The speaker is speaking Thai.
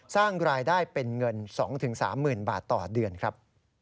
สร้างรายได้เป็นเงิน๒๓๐๐๐บาทต่อเดือนครับ